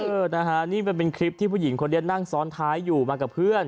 เออนะฮะนี่มันเป็นคลิปที่ผู้หญิงคนนี้นั่งซ้อนท้ายอยู่มากับเพื่อน